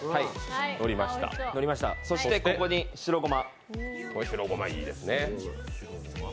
そしてここに白ごま。